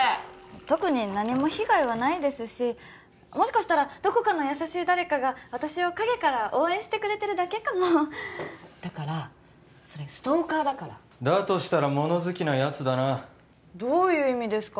特に何も被害はないですしもしかしたらどこかの優しい誰かが私を陰から応援してくれてるだけかもだからそれストーカーだからだとしたら物好きなやつだなどういう意味ですか？